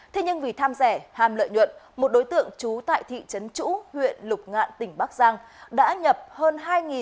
thế nhưng vì tham rẻ hàm lợi nhuận một đối tượng trú tại thị trấn chũ huyện lục ngạn tỉnh bắc giang